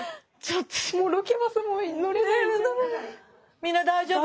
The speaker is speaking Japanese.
みんな大丈夫？